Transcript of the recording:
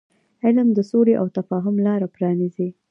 علم د سولې او تفاهم لار پرانیزي.